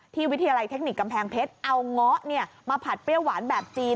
วิทยาลัยเทคนิคกำแพงเพชรเอาเงาะมาผัดเปรี้ยวหวานแบบจีน